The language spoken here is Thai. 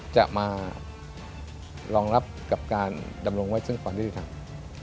จะมารองรับกับการดำรงไว้ซึ่งความยุติธรรม